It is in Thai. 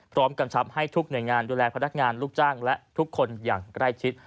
กำชับให้ทุกหน่วยงานดูแลพนักงานลูกจ้างและทุกคนอย่างใกล้ชิด